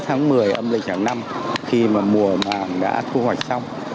tháng một mươi âm lịch hàng năm khi mà mùa màng đã thu hoạch xong